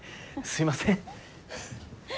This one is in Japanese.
すいません。